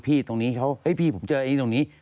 พี่ตรงนี้เขาพี่ผมเจออันนี้ตรงนี้